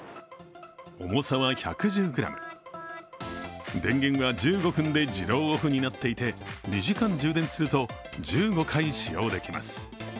重さは１１０ｇ、電源は１５分で自動オフになっていて２時間充電すると１５回使用できます。